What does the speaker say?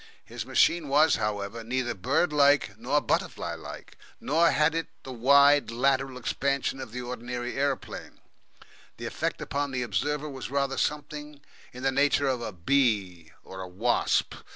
His machine was, however neither bird like nor butterfly like, nor had it the wide, lateral expansion of the ordinary aeroplane. The effect upon the observer was rather something in the nature of a bee or wasp.